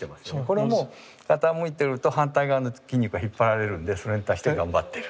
これはもう傾いてると反対側の筋肉が引っ張られるのでそれに対して頑張ってる。